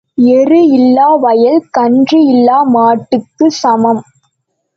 எரு இல்லா வயல் கன்று இல்லா மாட்டுக்குச் சமம்.